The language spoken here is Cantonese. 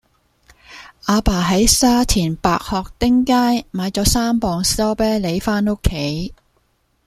亞爸喺沙田白鶴汀街買左三磅士多啤梨返屋企